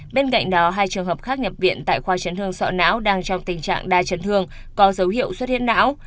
bên cạnh đó hai trường hợp khác nhập viện tại khoa chấn thương sọ não đang trong tình trạng đa chấn thương có dấu hiệu xuất hiện não